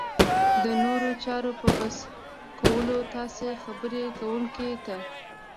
د نورو چارو په بس کولو تاسې خبرې کوونکي ته